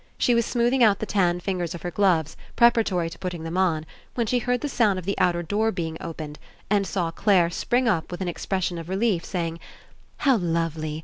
She was smoothing out the tan fingers of her gloves preparatory to put ting them on when she heard the sound of the outer door being opened and saw Clare spring up with an expression of relief saying: "How lovely!